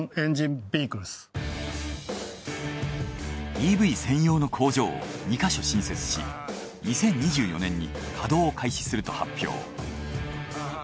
ＥＶ専用の工場を２ヵ所新設し２０２４年に稼働を開始すると発表。